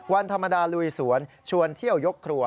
วันธรรมดาลุยสวนชวนเที่ยวยกครัว